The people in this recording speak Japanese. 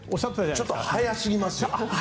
ちょっと早すぎますよ。